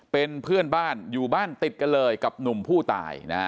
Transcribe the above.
เป็นเพื่อนบ้านอยู่บ้านติดกับหนุ่มพูดตาย